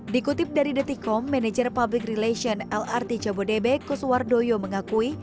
di kutip dari detikom manajer public relation lrt jabodebek kuswardoyo mengakui